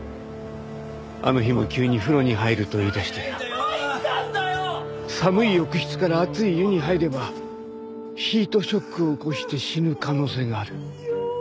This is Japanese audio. あの日も急に風呂に入ると言いだして寒い浴室から熱い湯に入ればヒートショックを起こして死ぬ可能性がある。